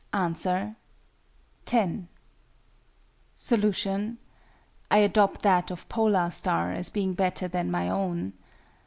Answer. Ten. Solution. (I adopt that of POLAR STAR, as being better than my own).